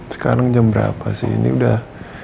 sekarang jam berapa sih ini udah